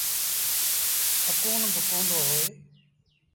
سڪون با ڪوندو هوئي۔